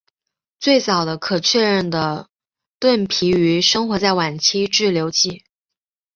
最早的可确认的盾皮鱼生活在晚期志留纪。